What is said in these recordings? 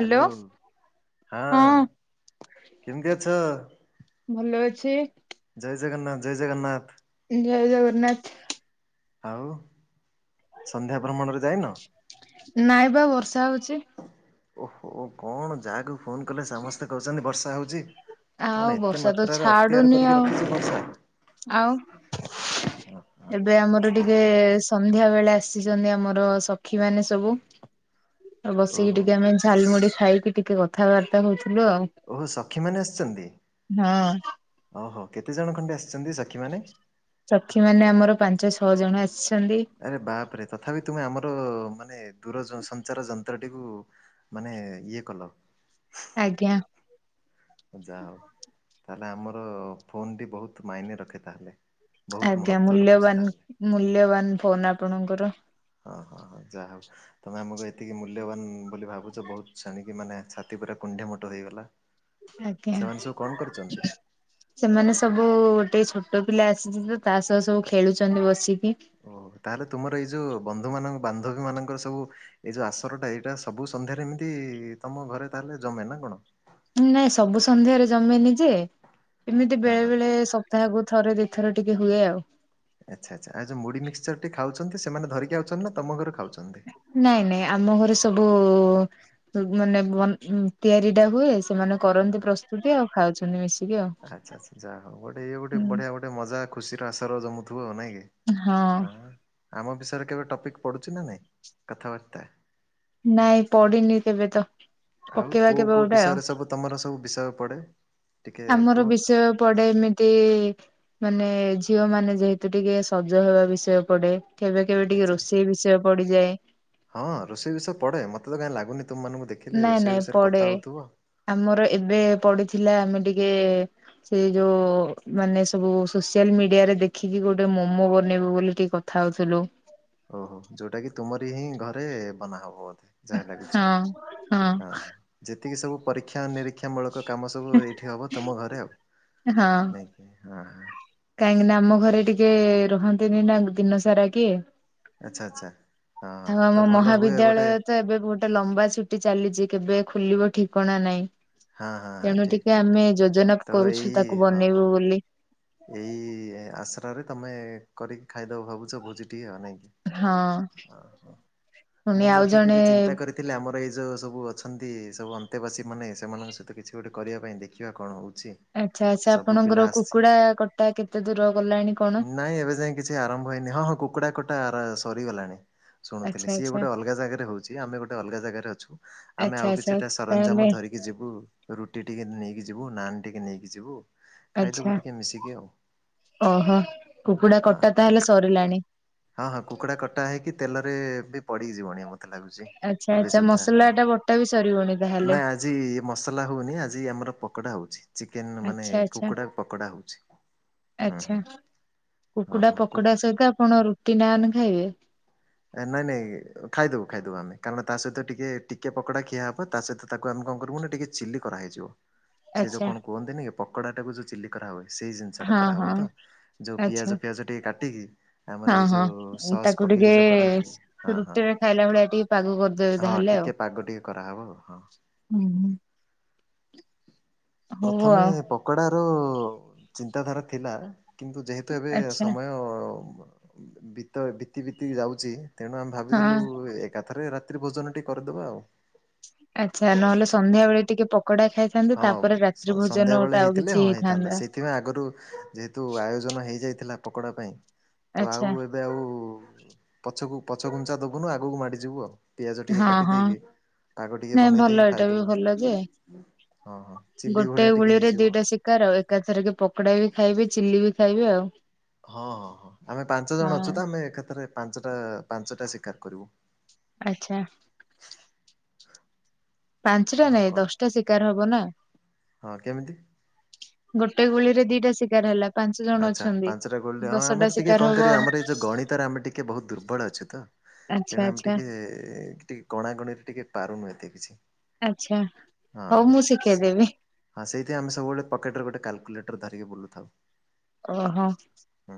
Hello ହଁ କେମିତି ଅଛ? ଭଲ ଅଛି। ଜୟ ଜଗନ୍ନାଥ ଜୟ ଜଗନ୍ନାଥ। ଜୟ ଜଗନ୍ନାଥ। ଆଉ ସନ୍ଧ୍ୟା ଭ୍ରମଣରେ ଯାଇନ? ନାଇ ବା ବର୍ଷା ହଉଛି। ଓହୋ କଣ ଯାହାକୁ ଫୋନ କଲେ ସମସ୍ତେ କହୁଛନ୍ତି ବର୍ଷା ହଉଛି। ଆଉ କଣ ଏତେ ବର୍ଷା ତ ମାତ୍ରାରେ ଅକ୍ତିଆର ଛାଡୁନି କରିକି ଆଉ ରଖିଛି ବର୍ଷା। ଆଉ। ଏବେ ଆମର ଟିକେ ସନ୍ଧ୍ୟା ବେଳେ ଆସିଛନ୍ତି ଆମର ସଖୀ ମାନେ ସବୁ। ବସିକି ଓହୋ। ଟିକେ ଆମେ ଝାଲମୁଢି ଖାଇକି ଟିକେ କଥାବାର୍ତ୍ତା ହଉଥିଲୁ ଆଉ। ଓହୋ ସଖୀ ମାନେ ଆସିଛନ୍ତି ହଁ ଓହୋ କେତେ ଜଣ ଖଣ୍ଡେ ଆସିଛନ୍ତି ସଖୀ ମାନେ? ସକ୍ଷୀ ମାନେ ଆମର ପାଞ୍ଚ ଛଅ ଜଣ ଆସିଛନ୍ତି। ଆରେ ବାପ ରେ ତଥାପି ତୁମେ ଆମର ମାନେ ଦୂର ସଞ୍ଚାର ଯନ୍ତ୍ରଟିକୁ ମାନେ ଇଏ କଲ। ଆଜ୍ଞା। ଯା ହଉ ତାହେଲେ ଆମର ଫୋନ୍ଟି ବହୁତ ମାଇନ ରଖେ ତାହେଲେ। ବହୁତ ଆଜ୍ଞା ମହତ୍ଵ ରଖୁଛି ମୂଲ୍ୟବାନ ତାହେଲେ। ମୂଲ୍ୟବାନ ଫୋନ ଆପଣଙ୍କର। ହଁ ହଁ ହଁ ଯାହା ହଉ। ତମେ ଆମକୁ ଏତିକି ମୂଲ୍ୟବାନ ବୋଲି ଭାବୁଛ ବହୁତ ଶାଣିକି ମାନେ ଛାତି ପୁରା କୁଣ୍ଢେ ମୋଟ ହେଇଗଲା। ଆଜ୍ଞା ସେମାନେ ସବୁ କଣ କରୁଛନ୍ତି? ସେମାନେ ସବୁ ଗୋଟେ ଛୋଟ ପିଲା ଆସିଛି ତ ତା ସହ ସବୁ ଖେଳୁଛନ୍ତି ବସିକି। ଓ ତାହେଲେ ତୁମର ଏଇ ଯୋଉ ବନ୍ଧୁମାନ ବାନ୍ଧବୀ ମାନଙ୍କର ସବୁ ଏଇ ଯୋଉ ଆସରଟା ଏଇଟା ସବୁ ସନ୍ଧ୍ୟାରେ ଏମିତି ତମ ଘରେ ତାହେଲେ ଜମେ ନା କଣ? ନାଇଁ ସବୁ ସନ୍ଧ୍ୟାରେ ଜମେନି ଯେ ଏମିତି ହଁ ବେଳେ ହଁ ବେଳେ ସ ତାହାକୁ ଥରେ ଦୁ ଥର ଟିକେ ହୁଏ ଆଉ। ଆଚ୍ଛା ଆଚ୍ଛା ଆଉ ଯୋ ମୁଢ ମିକ୍ଚର ଟି ଖାଉଛନ୍ତି ସେମାନେ ଧରିକି ଆାଉଛନ୍ତି ନା ତମ ଘର ଖାଉଛନ୍ତି? ନାଇଁ ନାଇଁ ଆମ ଘରେ ସବୁ ମାନେ ତିଆରି ଟା ହୁଏ। ସେମାନେ ହଁ କରନ୍ତି ହଁ ପ୍ରସ୍ତୁତି ଆଉ ଖାଉଛନ୍ତି ମିଶିକି ଆଉ ଆଚ୍ଛା ଆଚ୍ଛା ଯାହା ହଉ ଗୋଟେ ଇଏ ଗୋଟେ ହୁଁ। ବଢିଆ ଗୋଟେ ମଜା ଖୁସିର ଆସର ଜମୁଥିବ ଆଉ ନାଇଁ କିଁ? ହଁ ଆମ ବିଷୟରେ କେବେ ଟପିକ୍ ପଡ଼ୁଛି ନା ନାଇଁ କଥାବାର୍ତ୍ତା? ନାଇଁ ପଡିନି କେବେ ତ। ଆଉ ପକେଇବା କୋଉ କେବେ କୋଉ ଗୋଟେ ଆଉ ବିଷୟରେ ସବୁ ତମର ସବୁ ବିଷୟ ପଡେ? ଟିକେ ଆମର କୁହ? ବିଷୟ ପଡେ ଏମିତି ମାନେ ଝିଅ ମାନେ ଯେହେତୁ ଟିକେ ସଜ ହେବା ବିଷୟ ପଡେ କେବେ କେବେ ଟିକେ ଆଚ୍ଛା ରୋଷେଇ ବିଷୟ ପଡିଯାଏ। ହଁ ରୋଷେଇ ବିଷୟ ପଡ଼େ ମୋତେ ତ କାହିଁ ଲାଗୁନି ତୁମମାନଙ୍କୁ ଦେଖିଲେ ନାଇଁ ରୋଷେଇ ନାଇଁ ବିଷୟରେ ପଡେ କଥା ହଉଥିବ। ଆମର ଏବେ ପଡିଥିଲା ଆମେ ଟିକେ। ସେ ଯୋଉ ମାନେ ସବୁ ସୋସିଆଲ ମିଡିଆରେ ଦେଖିକି ଗୋଟେ ମୋମୋ ବନେଇବୁ ବୋଲି ଟିକେ। କଥା ହଉଥିଲୁ ଓହୋ ଯୋଉଟା କିି ତୁମରି ହିଁ ଘରେ ବନାହବ ବୋଧେ ଯାହା ଲାଗୁଛି ହଁ ହଁ। ଯେତିକି ସବୁ ପରୀକ୍ଷା ନିରୀକ୍ଷାାମୂଳକ କାମ ସବୁ ଏଇଠି ହେବ ତମ ଘରେ ଆଉ ହଁ ନାଇଁ କି। ହଁ ହ କାହିଁକି ନା ଆମ ଘରେ ଟିକେ ରହନ୍ତିନି ନା ଦିନ ସାରା କିଏ। ଆଚ୍ଛା ଆଚ୍ଛା ହଁ ଆଉ ଆମ ତ ଭଲ ହୁଏ ଗୋଟେ ମହାବିଦ୍ୟାଳୟ ତ ଏବେ ବ ଗୋଟେ ଲମ୍ବା ଛୁଟି ଚାଲିଛି କେବେ ଖୋଲିବ ଠିକଣା ନାଇଁ ହଁ ହଁ ହଁ ତେଣୁ ଠିକ ଟିକେ ଠିକ ଠିକ ଆମେ ଯୋଜନା ତ ଏଇ କରୁଛୁ ତାକୁ ହଁ ହଁ। ବନେଇବୁ ବୋଲି ଏଇ ଆଶ୍ରରେ ତମେ କରିକି ଖାଇଦବ ଭାବୁଛ ଭୋଜି ଟିକେ ନାଇଁ କି ହଁ ଓ ହ ପୁଣି ମୁଁ ଆଉ ମଧ୍ୟ ଜଣେ ଟିକେ ଚିନ୍ତା କରି ଥିଲେ ଆମର ଏଇ ଯେଉଁ ସବୁ ଅଛନ୍ତି ସବୁ ଅନ୍ତେବାସୀମାନେ ସେମାନଙ୍କ ସହିତ କିଛି ଗୋଟେ କରିବା ପାଇଁ ଦେଖିବା କଣ ହେଉଛି। ଆଚ୍ଛା ଆଚ୍ଛା ଆପଣଙ୍କର କୁକୁଡା କଟା କେତେ ଦୂର ଗଲାଣି। କଣ? ନାଇଁ ଏବେ ଯାଇ କିଛି ଆରମ୍ଭ ହେଇନି ହଁ ହଁ କୁକୁଡ଼ା କଟା ସରିଗଲାଣି। ଶୁଣୁଥିଲି ଆଚ୍ଛା ସିଏ ଆଚ୍ଛା ଗୋଟେ ଅଲଗା ଜାଗାରେ ହଉଛି ଆମେ ଗୋଟେ ଅଲଗା ଜାଗାରେ ଅଛୁ ଆମେ ଆଚ୍ଛା ଆଉ ଆଚ୍ଛା କିଛିଟା ତାହେଲେ ସରଞ୍ଜାମ ଧରି କି। ଯିବୁ ରୁଟି ଟିକେ ନେଇକି ଯିବୁ ନାନ ଟିକେ ନେଇକି ଯିବୁ ଆଚ୍ଛା ଖାଇଦବୁ ଟିକେ ମିଶିକି। ଆଉ ଓହୋ କୁକୁଡ଼ା ହଁ କଟା ତ ତାହେଲେ ସରିଲାଣି। ହଁ ହଁ କୁକୁଡ଼ା କଟା ହେଇକି ତେଲରେ ବି ପଡିି ଯିବଣି ମତେ ଲାଗୁଛି। ଆଚ୍ଛା ଏବେ ଆଚ୍ଛା ସୁଦ୍ଧା ହଁ। ମସଲାଟା ବଟା ବି ସରିିବଣିି ତାହେଲେ। ନାଇଁ ଆଜି ମସଲା ହଉନି ଆଜି ଆମର ପକୋଡା ହଉଛି ଚିକେନ ମାନେ ଆଚ୍ଛା ଆଚ୍ଛା। କୁକୁଡ଼ା ପକୋଡା ହଉଛି। ହୁଁ ଆଚ୍ଛା ହୁଁ ହଁ କୁକୁଡା ହଁ କୁ ପକୋଡା ସହିତ ଆପଣ ରୁଟି ନାନ୍ ଖାଇବେ। ନାଇଁ ନାଇଁ ଖାଇଦବୁ ଖାଇଦବୁ ଆମେ କାରଣ ତା ସହିତ ଟିକେ ଟିକେ ପକୋଡା ଖିଆ ହବ। ତା ସହିତ ତାକୁ ଆମେ କଣ କରିବୁ ନା ଟିକେ ଚିଲି କରାହେଇଯିବ ସେ ଯୋଉ ଆଚ୍ଛା କଣ କୁହନ୍ତି କି ପକୋଡ଼ାଟାକୁ ଯୋଉ ଚିଲି। କରା ହୁଏ ସେଇ ଜିନିଷ ଟା ହଁ କରାହବ ହଁ। ତ ଯୋଉ ଆଚ୍ଛା ପିଆଜ ପିଆଜ ଟିକେ କାଟିକି ହଁ ଆମର ଏଇ ହଁ ଯୋଉ ସସ୍ ତାକୁ ପକେଇକି ଟିକେ ଯୋଉ କରନ୍ତି କେସ୍ ହଁ ହଁ ରୁଟିରେ ଖାଇଲା ଭଳିଆ ଟିକେ ପାଗ କରିଦେବେ ହଁ ତାହେଲେ ଆଉ। ଟିକେ ପାଗ ଟିକେ କରାହବ ଆଉ ହଁ। ହୁଁ ହୁଁ ହଉ ପ୍ରଥମେ ଆଉ। ପକୋଡ଼ାର ଚିନ୍ତାଧାରା ଥିଲା? କିନ୍ତୁ ଯେହେତୁ ଏବେ ଆଚ୍ଛା ସମୟ ବିତ ବିତି ବିତି ଯାଉଚି। ତେଣୁ ଆମେ ହଁ ଭାବିଦେଲୁ ଏକାଥରେ ରାତ୍ରି ଭୋଜନ ଟିକେ କରିଦେବା ଆଉ। ଆଚ୍ଛା ନହେଲେ ସନ୍ଧ୍ୟା ବେଳେ ଟିକେ ପକୋଡା ଖାଇ ହେଇଥାନ୍ତା ତାପରେ ହଁ ରାତ୍ରି ଭୋଜନ ଗୋଟେ ଆଉ କିଛି ହେଇଥାନ୍ତା। ଏଥିପାଇଁ ଆଗରୁ ଯେହେତୁ ଆୟୋଜନ ହେଇଯାଇଥିଲା ପକୋଡା ପାଇଁ ତ ଆଚ୍ଛା ଆଉ ଏ ଏବେ ଆଉ ପଛକୁ ପଛ କୁଞ୍ଚା ଦବୁନୁ ଆଗକୁ ମାଡି ଯିବୁ ଆଉ। ପିଆଜ ଟିକେ ହଁ କାଟି ହଁ। ଦେଇକି ପାଗ ଟିକେ ନାଇଁ ବନେଇ ଭଲ ଦେଇକି ଏଇଟା ବି ଖାଇଦେବୁ। ଭଲ ଯେ ହଁ ହଁ ଚିଲି ଗୋଟେ ଭଳିଆ ଟିକେ ଗୁଳିରେ ହେଇଯିବ। ଦିଟା ଶିକାର ଏକା ଥର କି ପକୋଡା ବି ଖାଇବେ ଚିଲ୍ଲି ବି ଖାଇବେ ଆଉ। ହଁ ହଁ ହଁ ଆମେ ପାଞ୍ଚ ଜଣ ହଁ ଅଛୁ ତ ଆମେ ଏକଥରେ ପାଞ୍ଚଟା ପାଞ୍ଚଟା ଶିକାର କରିବୁ। ଆଚ୍ଛା। ପାଞ୍ଚଟା ଆଉ ନାଇଁ କଣ ଦଶଟା ଶିକାର ହବ ନା। ହଁ କେମିତି? ଗୋଟେ ଗୁଳି ରେ ଦିଟା ଶିକାର ହେଲା। ପାଞ୍ଚ ଜଣ ଆଛା ଅଛନ୍ତି। ପାଞ୍ଚଟା ଗୋଲ ହଁ ଦଶଟା ଆମର ଟିକେ ଶିକାର ହବ ଆମର ଏଇ ଯୋଉ ଗଣିତରେ ଆମେ ଟିକେ ବହୁତ ଦୁର୍ବଳ ଅଛୁ ତ। ଆଚ୍ଛା ତେଣୁ ଆମେ ଆଚ୍ଛା ଟିକେ ଟିକେ ଗଣା ଗଣିରେ ଟିକେ ପାରୁନୁ ଏତେ କିଛି। ଆଛା ହଁ ହଉ ମୁଁ ସେ ଶିଖେଇଦେବି। ହଁ ସେଇଥିପାଇଁ ଆମେ ସବୁବେଳେ ପକେଟରେ ଗୋଟେ କାଲକୁଲେଟର ଧରିକି ବୁଲୁଥାଉ। ଓହୋ। ହୁଁ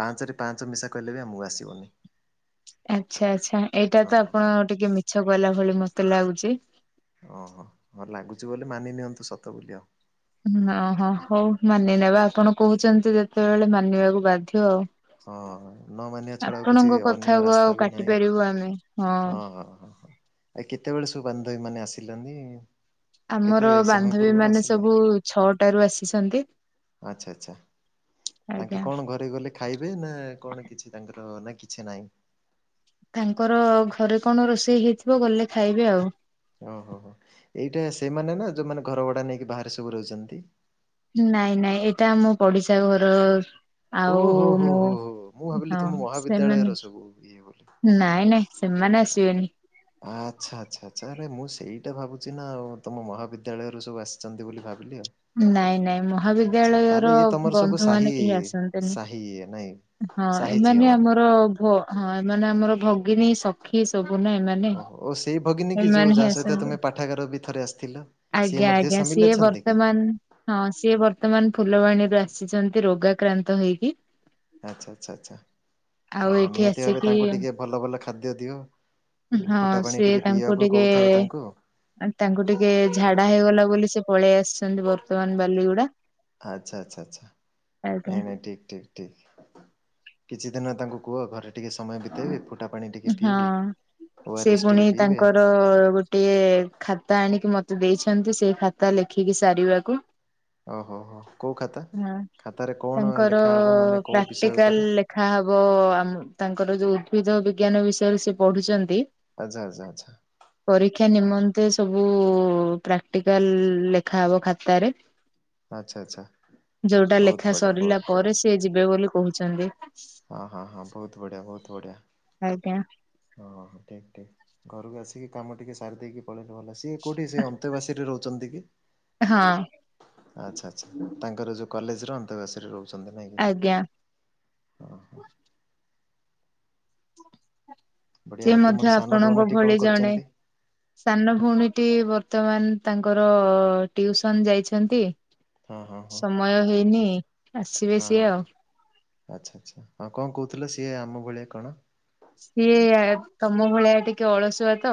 ପାଞ୍ଚରେ ପାଞ୍ଚ ମିଶା କହିଲେ ବି ଆମକୁ ଆସିବନି। ଆଛା ଆଛା ଏଇଟା ହଁ ତ ହଁ ଆପଣ ଟିକେ ମିଛ କହିଲା ଭଳି ମତେ ଲାଗୁଚି। ଓହୋ ହଁ ଲାଗୁଛି ବୋଲି ମାନି ନିଅନ୍ତୁ ସତ ବୋଲି ଆଉ। ଓହୋ ହଉ ମାନିନେବା ଆପଣ କହୁଛନ୍ତି ଯେତେବେଳେ ମାନିବାକୁ ବାଧ୍ୟ ଆଉ। ହଁ ନ ମାନିବା ଛଡା ଆଉ କିଛି ଆପଣଙ୍କ ଅନ୍ୟ କଥାକୁ ଆଉ ରାସ୍ତା ବି କାଟି ନାହିଁ ପାରିବୁ ଆମେ ହଁ। ଓହୋ ଆ କେତେବେଳେ ସବୁ ବାନ୍ଧବୀ ମାନେ ଆସିଲନି। କେତେ ଆମର ସମୟ ବାନ୍ଧବୀ ପୂର୍ବରୁ ମାନେ ଆସିଲେ? ସବୁ ଛଅଟାରୁ ଆସିଛନ୍ତି। ଆଛା ଆଛା ତାଙ୍କେ ଆଜ୍ଞା କଣ ଘରକୁ ଗଲେ ଖାଇବେ ନା କଣ କିଛି ତାଙ୍କର ନା କିଛି ନାହିଁ। ତାଙ୍କର ଘରେ କଣ ରୋଷେଇ ହେଇଥିବ ଗଲେ ଖାଇବେ ଆଉ। ଓହୋ ହୋ ଏଇଟା ସେମାନେ ନା ଯୋଉମାନେ ଘର ଭଡା ନେଇକି ବାହାରେ ସବୁ ରହୁଛନ୍ତି। ନାଇଁ ନାଇଁ ଏଇଟା ଆମ ପଡିଶା ଘର ଆଉ ଓହୋ ହୋ ମୁଁ ହୋ ହୋ ମୁଁ ଭାବିଲି ହଁ ତୁମ ମହାବିଦ୍ୟାଳୟର ସେମାନେ ସବୁ ଇଏ ବୋଲି। ନାଇଁ ନାଇଁ। ସେମାନେ ଆସିବେନି। ଆଛା ଆଛା ଆଛା ଆରେ ମୁଁ ସେଇଟା ଭାବୁଛି ନା ଆଉ ତମ ମହାବିଦ୍ୟାଳୟରୁ ସବୁ ଆସିଛନ୍ତି ବୋଲି ଭାବିଲି ଆଉ। ନାଇଁ ନାଇଁ ଆଚ୍ଛା ମହାବିଦ୍ୟାଳୟର ତାହେଲେ ଇଏ ତମର ସବୁ ବନ୍ଧୁ ମାନେ ସାହି କେହି ଆସନ୍ତିନି। ସାହି ଇଏ ନାଇଁ ହଁ ସାହି ଝିଅ ଏମାନେ ମାନେ। ଆମର ହଁ ଏମାନେ ଆମର ଭଗିନୀ ସଖୀ ସବୁ ନା ଏମାନେ। ଓହୋ ସେଇ ଭଗିନୀ କି ଯୋଉ ଏମାନେ ହିଁ ଯାହା ସହିତ ଆସନ୍ତି। ତୁମେ ପାଠାଗାର ବି ଥରେ ଆସିଥିଲ। ସିଏ ଆଜ୍ଞା ମଧ୍ୟ ଆଜ୍ଞା ସାମିଲ ସିଏ ଅଛନ୍ତି କି? ବର୍ତ୍ତମାନ ହଁ ସିଏ ବର୍ତ୍ତମାନ ଫୁଲବାଣୀରୁ ଆସିଛନ୍ତି ରୋଗାକ୍ରାନ୍ତ ହେଇକି। ଆଛା ଆଛା ଆଛା ଆଉ ହଁ ଏଇଠି ନିହାତି ଭାବେ ଆସିକି ତାଙ୍କୁ ଟିକେ ଭଲ ଭଲ ଖାଦ୍ୟ ଦିଅ। ହଁ ଫୁଟା ପାଣି ସିଏ ଟିକେ ତାଙ୍କୁ ପିଇବାକୁ ଟିକେ କହୁଥାଉ ତାଙ୍କୁ ତାଙ୍କୁ ଟିକେ ଝାଡା ହେଇଗଲା ବୋଲି ସେ ପଳେଇ ଆସିଛନ୍ତି ବର୍ତ୍ତମାନ ବାଲିଗୁଡା। ଆଛା ଆଛା ଆଛା ଆଜ୍ଞା ଏଇନା ଠିକ୍ ଠିକ୍ ଠିକ୍ କିଛି ଦିନ ତାଙ୍କୁ କୁହ ଘରେ ଟିକେ ସମୟ ବିତେଇବେ ପୁ ହଁ ସେ ଏସ୍ ଟିକେ ପୁଣି ପିଇବେ। ତାଙ୍କର ଗୋ ଟିଏ ଖାତା ଆଣିକି ମତେ ଦେଇଛନ୍ତି ସେଇ ଖାତା ଲେଖିକି ସାରିବାକୁ। ଓହୋ ହୋ କୋଉ ଖାତା? ହଁ ଖାତାରେ କଣ ତାଙ୍କର ଲେଖା ହବ ମାନେ କୋଉ ବିଷୟ ପ୍ରାକଟିକାଲ ଉପରେ ଲେ ଖା ହବ ଆ ତାଙ୍କର ଯୋଉ ଉଦ୍ଭିଦ ବିଜ୍ଞାନ ବିଷୟରେ ସେ ପଢୁଛନ୍ତି। ଆଛା ଆଛା ଆଛା। ପରୀକ୍ଷା ନିମନ୍ତେ ସବୁ ପ୍ରାକ୍ଟିକାଲ ଲେଖା ହବ ଖାତାରେ। ଆଚ୍ଛା ଆଚ୍ଛା ଯୋଉଟା ବହୁତ ଲେଖା ବଢିଆ ସରିଲା ବହୁତ ବଢିଆ ପରେ ସିଏ ଯିବେ ବୋଲି କହୁଛନ୍ତି। ହଁ ହଁ ହଁ ବହୁତ ବଢ଼ିଆ ବହୁତ ବଢିଆ। ଆଜ୍ଞା। ହଁ ହଁ ଠିକ୍ ଠିକ୍ ଘରକୁ ଆସିକି କାମ ଟିକିେ ସାରି ଦେଇେଇକି ପଳେଇଲେ ଭଲ ସିଏ କୋଉଠି ସେ ଅନ୍ତେବାସୀରେ ରହୁଛନ୍ତି କି? ହଁ। ଆଚ୍ଛା ଆଛା ତାଙ୍କର ଯୋଉ କଲେଜ ର ଅନ୍ତବାସରେ ରହୁଛନ୍ତି ନାଇଁ କି? ଜ୍ଞା ହଁ ହଁ। ବଢ଼ିଆ ସେ ଆଉ ତୁମର ମଧ୍ୟ ସାନ ଆପଣଙ୍କ ଭଉଣୀଟି କଣ ଭଳି ଜଣେ। କରିଛନ୍ତି? ସାନ ଭଉଣୀଟି ବର୍ତ୍ତମାନ ତାଙ୍କର ଟିଉସନ ଯାଇଛନ୍ତି ହଁ ହଁ ହଁ। ମୟ ହେଇନି ଆସିବେ ହଁ ସିଏ ହଁ ଆଉ। ହଁ ଆଚ୍ଛା ଆଚ୍ଛା ହଁ କଣ କହୁଥିଲ ସିଏ ଆମ ଭଳିଆ କଣ? ସିଏ ତମ ଭଳିଆ ଟିକେ ଅଳସୁଆ ତ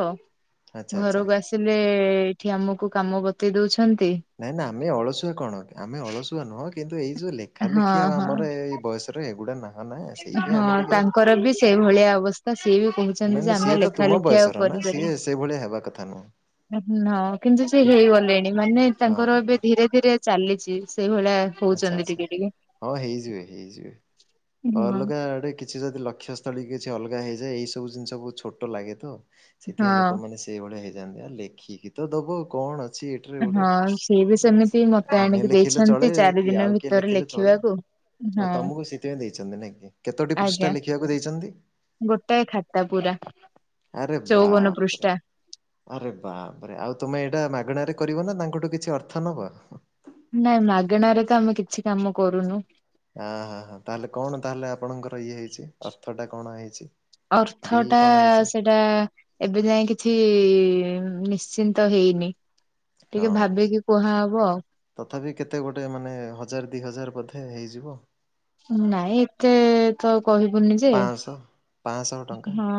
ଆଚ୍ଛା ଆଚ୍ଛା। ଘରକୁ ଆସି ଏଇଠି ଆମକୁ କାମ ବତେଇ ଦଉଛନ୍ତି ନାଇଁ ନା ଆମେ ଅଳସୁଆ କଣ ଆମେ ଅଳସୁଆ ନୁହଁ କିନ୍ତୁ ଏଇ ଯୋଉ ଲେଖା ହଁ ଲେଖି ଆ ହଁ ଆମର ଏଇ ବୟସ ଏଗୁଡା ନା ନା ସେଇଥିପାଇଁ ଆମେ ହଁ ଟିକେ ତାଙ୍କର ବି ସେଇଭଳିଆ ଅବସ୍ଥା ସିଏ ବି କହୁଛନ୍ତି ନା ଯେ ନାଇଁ ଆମେ ସିଏ ତ ଲେଖା ତୁମ ଲେଖି ଆଉ ବୟସର ନା କରିପାରିବୁ ସିଏ ସେଇଭଳିଆ ହେବା କଥା ନୁହଁ। ହଁ କିନ୍ତୁ ସେ ହେଇଗଲେଣି ମାନେ ହଁ ତାଙ୍କର ହଁ ହଁ ଏବେ ଧୀରେ ଧୀରେ ଚାଲିଛି ସେଇଭଳିଆ ଆଚ୍ଛା ହଉଛନ୍ତି ଆଚ୍ଛା ଟିକେ ଟିକେ ହଁ ହେଇଯିବେ ହେଇଯିବେ ଅଲଗା ଆଡେ କିଛି ଯଦି ଲକ୍ଷ୍ୟ ଥ କିଛି ଅଲଗା ହେଇଯାଏ ଏଇ ସବୁ ଜିନିଷ ବହୁତ ଛୋଟ ଲାଗେ ତ ହଁ ସେଥିପାଇଁ ଲୋକମାନେ ସେଇଭଳିଆ ହେଇଯାଆନ୍ତି ଆ ଲେଖିକି ତ ଦବ କଣ ଅଛି ଟେ ହଁ ସିଏ ବି ସେମିତି ମତେ ଆମେ ଆଣିକି ଲେଖିଲେ ଦେଇଛନ୍ତି ଚଳେ ଚାରି କିଏ ଦିନ ଆଉ କିଏ ଭିତରେ ଲେଖିଲେ ଚଳେ ଲେଖିବାକୁ ଓ ହଁ ତମକୁ ସେଥିପାଇଁ ଦେଇଛନ୍ତି ନାଇଁ କି କେତୋଟି ଆଜ୍ଞା ପୃଷ୍ଠା ଲେଖିବାକୁ ଦେଇଛନ୍ତି? ଗୋଟାଏ ଖାତା ପୁରା। ଆରେ ଚଉବନ ବାପ୍ ରେ। ପୃଷ୍ଠା ଆରେ ବାପ୍ ରେ ଆଉ ତମେ ଏଇଟା ମାଗଣାରେ କରିବ ନା ତାଙ୍କଠୁ କିଛି ଅର୍ଥ ନବ? ନାଇଁ ମାଗଣାରେ ତ ଆମେ କିଛି କାମ କରୁନୁ ହଁ ହଁ ହ ତାହେଲେ କଣ ତାହେଲେ ଆପଣଙ୍କର ଇଏ ହେଇଛି ଅର୍ଥ ଟା କଣ ହେଇଛି? ଅର୍ଥ ଡିଲ୍ ଟା କଣ ହେଇଛି ସେ ସେଟା ଏବେ ଯାଇଏ କିଛି ନିଶ୍ଚିନ୍ତ ହେଇନି। ଟିକେ ହଁ। ଭାବିକି କୁହାହବ ଆଉ ତଥାପି କେତେ ଗୋଟେ ମାନେ ହଜାର ଦି ହଜାର ବଧେ ହେଇଯିବ? ନାଇଁ ଏତେ ତ କହିବୁନି ଯେ ପାଁଶହ। ପାଁଶହ ଟଙ୍କା ହଁ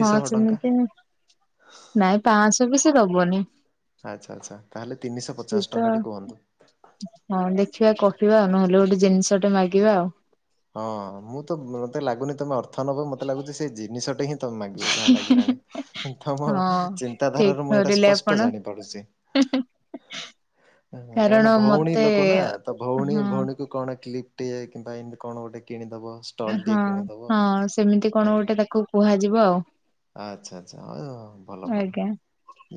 ହଁ ଟଙ୍କା ସେମିତି ନାଇଁ ପାଣି ପାଁଶହ ବି ସେ ଦବନି ଆଚ୍ଛା ଆଚ୍ଛା ତାହେଲେ ତିନିଶହ ସେ ପଚାଶ ତ ଟଙ୍କାଟି କୁହନ୍ତୁ। ହଁ ଦେଖିବା କହିବା ନହେଲେ ଗୋଟେ ଜିନିଷଟେ ମାଗିବା ଆଉ ହଁ ମୁଁ ତ ମତେ ଲାଗୁନି ତମେ ଅର୍ଥ ନବ ମତେ ଲାଗୁଛି ସେ ଜିନିଷଟେ ହିଁ ମାଗିବ ଯାହା ଲାଗିଲାଣି ତମର ହଁ ଚିନ୍ତାଧାରାରୁ ମୁଁ ଏଇଟା ସ୍ପଷ୍ଟ ଜାଣି ପାରୁଛି। ହୁଁ ହୁଁ। କାରଣ ଭଉଣୀ ଲୋକ ନା ତ ଭଉଣୀ ହଁ ଭଉଣୀକୁ କଣ କ୍ଲିପ୍ଟ ଟେ କିମ୍ବା ଏମିତି କଣ ଗୋଟେ କିଣିଦବ ଷ୍ଟଲ୍ ଟିଏ ହଁ କିଣିଦବ। ହଁ ସେମିତି କଣ ନାଇଁ ଗୋଟେ ତାକୁ କୁହାଯିବ ଆଉ। ଆଚ୍ଛା ଆଚ୍ଛା ହ ଭଲ ଭଲ। ଆଜ୍ଞା।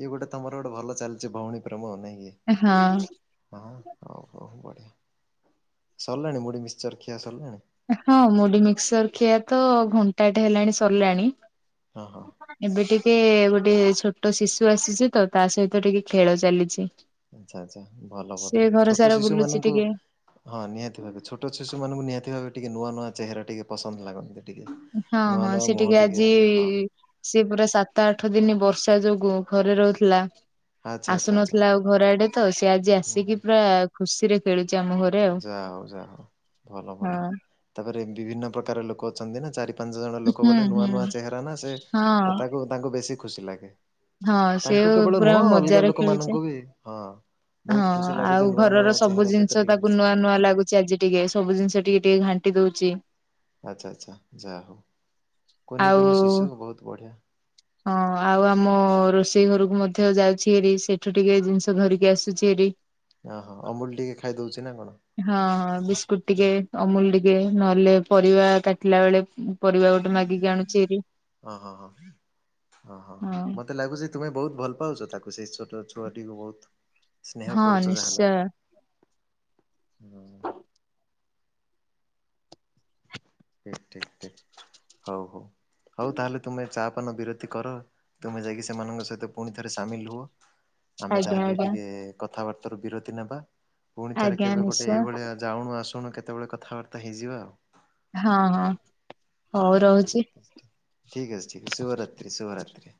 ଇଏ ଗୋଟେ ତମର ଗୋଟେ ଭଲ ଚାଲିଛି ଭଉଣୀ ପ୍ରେମ ନାଇଁ କି? ହଁ। ହଁ ହଉ ହଉ ବଢିଆ ସରିଲାଣି ମୁଢି ମିକ୍ସଚର ଖିଆ ସରିଲାଣି? ହଁ ମୁଢି ମିକ୍ସର ଖିଆ ତ ଘଣ୍ଟାଟେ ହେଲାଣି ସରିଲାଣି ହଁ ହଁ। ଏବେ ଟିକେ ଗୋଟେ ଛୋଟ ଶିଶୁ ଆସିଛି ତ ତା ସହିତ ଟିକେ ଖେଳ ଚାଲିଛି। ଆଚ୍ଛା ଆଚଛା ଭଲ ସେ ଭଲ। ଘର ଛୋଟ ସାରା ଶିଶୁ ବୁଲୁଛି ମାନଙ୍କୁ ଟିକେ ହଁ ନିହାତି ଭାବେ ଛୋଟ ଶିଶୁ ମାନଙ୍କୁ ନିହାତି ଭବେ ଟିକେ ନୂଆ ନୂଆ ଚେହରା ଟିକେ ପସନ୍ଦ ଲାଗନ୍ତି। କେ ହଁ ନୂଆ ହଁ ନୂଆ ସେ ମୁହଁ ଟିକେ, ଆଜି ହଁ। ସିଏ ପୁରା ସାତ ଆଠ ଦିନ ବର୍ଷା ଯୋଗୁ ଘରେ ରହୁଥିଲା, ଆଚ୍ଛା ଆଚ୍ଛା ଆଚ୍ଛା ଆସୁନଥିଲା ଆଉ ଘର ଆଡେ ତ ସେ ଆଜି ହୁଁ ଆସିକି ପୁରା ଖୁସିରେ ଖେଳୁଛି ଆମ ଘର। ଯାହା ହଉ ଯାହା ହଉ ଭଲ ଭଲ। ହଁ। ତାପରେ ବିଭିନ୍ନ ପ୍ରକାର ଲୋକ ଅଛନ୍ତି ନା ଚାରି ପାଞ୍ଚ ଜଣ ଲୋକ ହୁଁ ବୋଲେ ନୂଆ ହୁଁ ନୂଆ ଚେହେରା ନା ସେ ହଁ ତାକୁ ତାଙ୍କୁ ବେଶି ଖୁସି ଲାଗେ। ହଁ ସେ ତାଙ୍କୁ କେବଳ ପୁରା ନୁହଁ ଅଲଗା ମଜାରେ ଖେଳୁଛି। ଲୋକମାନଙ୍କୁ ବି, ହଁ। ବହୁତ ହଁ ଖୁସି ଆଉ ଲାଗଚି, ନୂଆ ନୂଆ ଘରର ସବୁ ଚେହେରା ଜିନିଷ ସହିତ ଟିକେ ତାକୁ ମିଶ ନୂଆ ନୂଆ ଲାଗୁଛି ଆଜି ଟିକେ, ସବୁ ଜିନିଷ ଟିକେ ଟିକେ ଘାଣ୍ଟି ଦଉଛି। ଆଚଛା ଆଚ୍ଛା ଯାହା ହଉ। କୁନି କୁନି ଆଉ ଶିଶୁ ବହୁତ ବଢିଆ। ହଁ ଆଉ ଆ ଆ ରୋଷେଇ ଘରକୁ ମଧ୍ୟ ଯାଉଛି ହେରି ସେଇଠୁ ଟିକେ ଜିନିଷ ଧରିକି ଆସୁଛି ହେରି। ଓହୋ, ଅମୁଲ ଟିକେ ଖାଇଦଉଛି ନା କଣ? ହଁ। ବିସ୍କୁଟ ହଁ ଟିକେ, ଅମୁଲ ଟିକେ ନହେଲେ ପରିବା କାଟିଲା ବେଳେ ପରିବା ଗୋଟେ ମାଗିକି ଆଣୁଛି ଏରି। ହଁ ହଁ ହଁ। ମତେ ଲାଗୁଛି ତୁମେ ବହୁତ ଭଲ ପାଉଛ ତାକୁ, ସେଇ ଛୋଟ ଛୁଆଟିକୁ ବହୁତ। ସ୍ନେହ ହଁ କରୁଛ ନିଶ୍ଚୟ [unintelligible] ହୁଁ। ଠିକ ଠିକ ଠିକ। ହଉ ହଉ, ହଉ ତାହେଲେ ତୁମେ ଚା ପାନ ବିରତି କର। ତୁମେ ଯାଇକି ସେମାନଙ୍କ ସହିତ ପୁଣି ଥରେ ସାମିଲ ହୁଅ। ଆମେ ଆଜ୍ଞା ତାହେଲେ ଆଜ୍ଞା। ଟିକେ କଥାବାର୍ତ୍ତାରୁ ବିରତି ନେବା। ପୁଣି ଥରେ ଆଜ୍ଞା କେବେ ଗୋଟେ ନିଶ୍ଚୟ ଏଇଭଳିଆ ଯାଉଣୁ ଆସୁଣୁ କେତେବେଳେ କଥାବାର୍ତ୍ତା ହେଇଯିବା ଆଉ। ହଁ ହଁ। ହଁ ହଉ ହଁ [unintelligible] ରହୁଛି। ଠିକ୍ ଅଛି ଠିକ୍ ଅଛି ଶୁଭରାତ୍ରି ଶୁଭରାତ୍ରି।